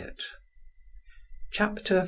Chapter 1.